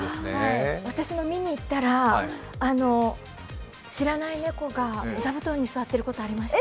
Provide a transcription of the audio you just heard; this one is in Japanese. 私も見に行ったら知らない猫が座布団に座ってることありました。